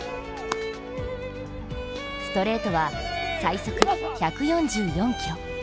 ストレートは最速１４４キロ。